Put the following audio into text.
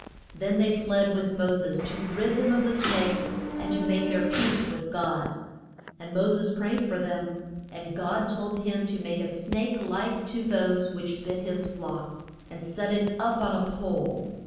Then they plead with Mo ses to rid them of the snakes, and make their peace with God. And Mo ses prayed for them. And God told him to make a snake like to those which bit his flock, and set it up on a pole.